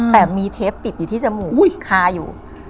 แต่มีเทปติดอยู่ที่จมูกคาอยู่